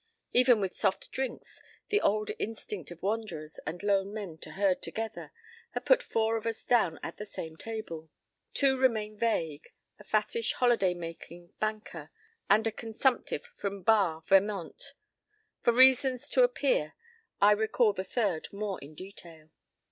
Even with soft drinks, the old instinct of wanderers and lone men to herd together had put four of us down at the same table. Two remain vague—a fattish, holiday making banker and a consumptive from Barre, Vermont. For reasons to appear, I recall the third more in detail.